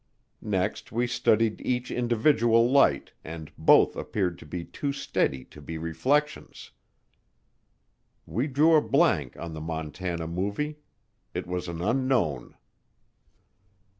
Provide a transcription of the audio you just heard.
Next we studied each individual light and both appeared to be too steady to be reflections. We drew a blank on the Montana Movie it was an unknown.